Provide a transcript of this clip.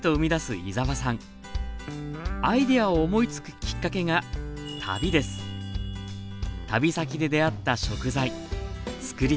アイデアを思いつくきっかけが旅先で出会った食材つくり手